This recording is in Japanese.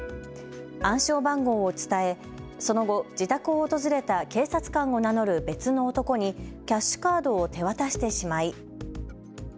暗証番号を伝えその後、自宅を訪れた警察官を名乗る別の男にキャッシュカードを手渡してしまい。